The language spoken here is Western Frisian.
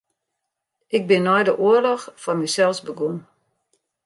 Ik bin nei de oarloch foar mysels begûn.